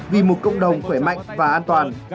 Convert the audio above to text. vì một cộng đồng khỏe mạnh và an toàn